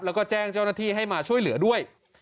แล้วก็แจ้งเจ้าหน้าที่ให้มาช่วยเหลือด้วย